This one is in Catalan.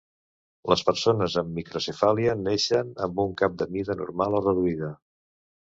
Les persones amb microcefàlia neixen amb un cap de mida normal o reduïda.